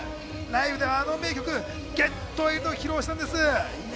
ライブではあの名曲、『ＧｅｔＷｉｌｄ』を披露したんです。